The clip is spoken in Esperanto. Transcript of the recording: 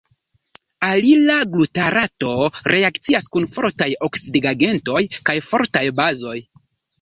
Alila glutarato reakcias kun fortaj oksidigagentoj kaj fortaj bazoj.